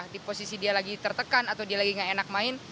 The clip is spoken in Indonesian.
di posisi dia lagi tertekan atau dia lagi gak enak main